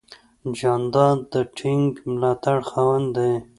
جانداد د ټینګ ملاتړ خاوند دی.